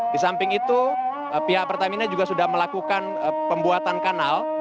di samping itu pihak pertamina juga sudah melakukan pembuatan kanal